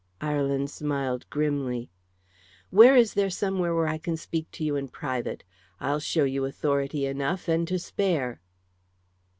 Ireland smiled grimly. "Where is there somewhere I can speak to you in private? I'll show you authority enough, and to spare."